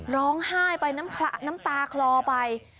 ร้องไห้ไปน้ำตาคลอไป